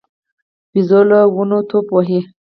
بيزو له ونو ټوپ وهي.